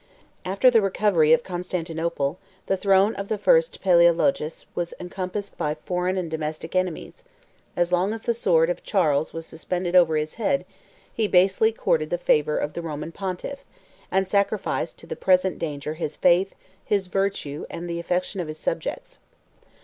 After the recovery of Constantinople, the throne of the first Palæologus was encompassed by foreign and domestic enemies; as long as the sword of Charles was suspended over his head, he basely courted the favor of the Roman pontiff; and sacrificed to the present danger his faith, his virtue, and the affection of his subjects.